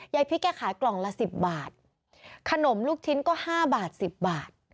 พริกแกขายกล่องละสิบบาทขนมลูกชิ้นก็ห้าบาทสิบบาท